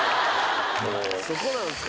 そこなんすか？